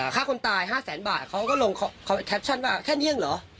ฆ่าคนตาย๕แสนบาทเขาก็ลงเขาแคปชั่นว่าแค่เยี่ยงเหรอ